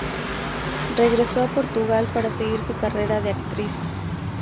Regresó a Portugal para seguir su carrera de actriz.